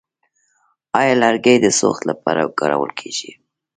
آیا لرګي د سوخت لپاره کارول کیږي؟